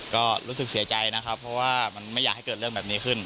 ก็รู้สึกเสียใจนะครับเพราะว่ามันไม่อยากให้เกิดเรื่องแบบนี้ขึ้น